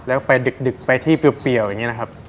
แล้วก็ไปดึกไปที่เปรียวอย่างนี้นะครับ